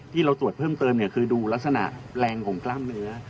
ที่เราตรวจเพิ่มเติมคือดูลักษณะแรงของกล้ามเนื้อ